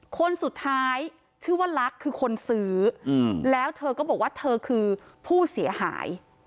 คนสุดท้ายชื่อว่าลักษณ์คือคนซื้อแล้วเธอก็บอกว่าเธอคือผู้เสียหาย